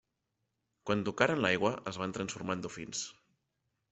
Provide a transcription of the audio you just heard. Quan tocaren l'aigua, es van transformar en dofins.